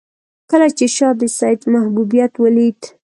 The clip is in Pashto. کله چې شاه د سید محبوبیت ولید.